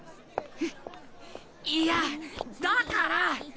いやだから。